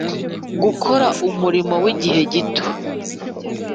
Gukora umurimo w igihe cyose